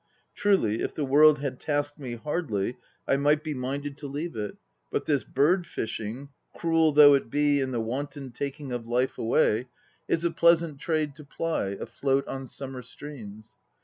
Truly, if the World had tasked me hardly I might be minded to leave it, but this bird fishing, Cruel though it be in the wanton taking of life away, 128 UKAI 129 Is a pleasant trade to ply Afloat on summer streams.